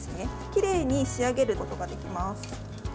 きれいに仕上げることができます。